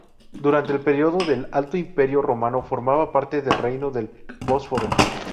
Durante el período del Alto Imperio romano formaba parte del Reino del Bósforo.